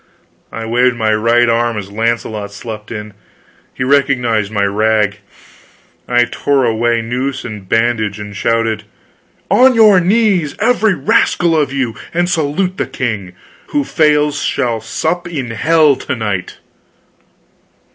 I waved my right arm as Launcelot swept in he recognized my rag I tore away noose and bandage, and shouted: "On your knees, every rascal of you, and salute the king! Who fails shall sup in hell to night!"